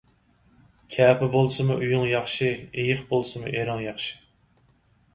كەپە بولسىمۇ ئۆيۈڭ ياخشى، ئېيىق بولسىمۇ ئېرىڭ ياخشى.